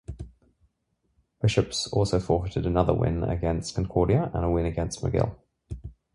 Bishop's also forfeited another win against Concordia and a win against McGill.